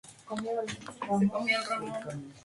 Se considera el mismo un egoísta al desear esto.